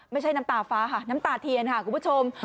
น้ำตาฟ้าค่ะน้ำตาเทียนค่ะคุณผู้ชม